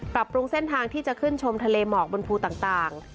ปรับปรุงเส้นทางที่จะขึ้นชมทะเลหมอกบนภูต่าง